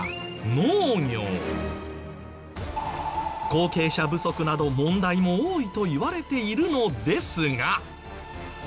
後継者不足など問題も多いといわれているのですが。